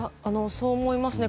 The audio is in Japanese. そう思いますね。